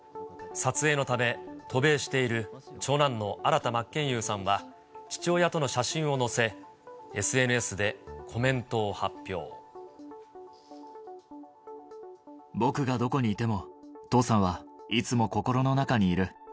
撮影のため、渡米している長男の新田真剣佑さんは、父親との写真を載せ、僕がどこにいても父さんはいつも心の中にいる。